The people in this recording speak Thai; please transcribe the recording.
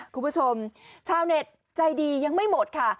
คุณผู้ชมชาวเน็ตใจดียังไม่หมดค่ะ